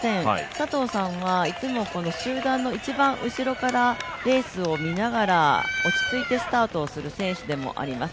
佐藤さんはいつも集団の後ろからレースを見ながら落ち着いてスタートする選手でもあります。